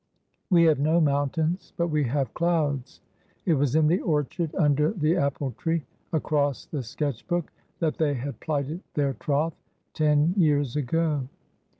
We have no mountains, but we have clouds." It was in the orchard, under the apple tree, across the sketch book, that they had plighted their troth—ten years ago.